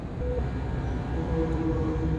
আজ সেই ফুল কাগজে বন্দি করেছি।